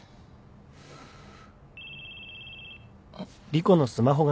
あっ。